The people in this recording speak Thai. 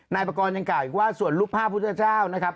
นายประกอบยังกล่าวอีกว่าส่วนรูปภาพพุทธเจ้านะครับ